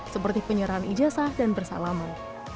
seperti penyerahan ijazah dan bersalaman